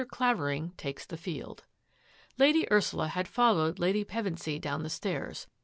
CLAVERING TAKES THE FIELD Lady Ursula had followed Lady Pevensy down the stairs.